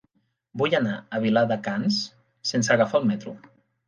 Vull anar a Vilar de Canes sense agafar el metro.